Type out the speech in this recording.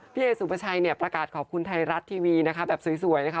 พี่เอกสุประชัยประกาศขอบคุณไทรัสทีวีนะคะแบบสวยนะคะ